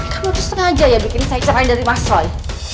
kamu itu sengaja ya bikin saya cerai dari mas roy